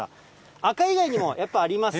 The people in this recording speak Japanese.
赤以外にもやっぱりあります。